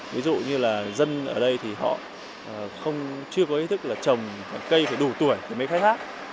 ví dụ như là dân ở đây thì họ chưa có ý thức là trồng cây phải đủ tuổi thì mới khai thác